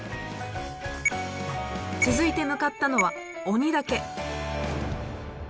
続いて向かったのは鬼岳。